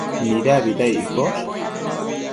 Nidabida iccosh?